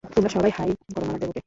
তোমরা সবাই হাই করো মাবন দেবকে।